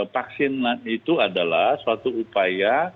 vaksin itu adalah suatu upaya